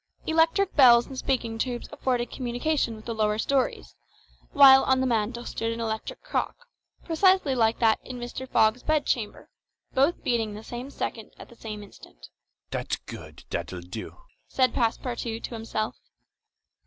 Electric bells and speaking tubes afforded communication with the lower stories; while on the mantel stood an electric clock, precisely like that in Mr. Fogg's bedchamber, both beating the same second at the same instant. "That's good, that'll do," said Passepartout to himself.